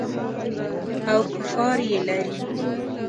او کفار یې لري.